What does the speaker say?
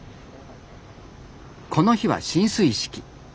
この日は進水式。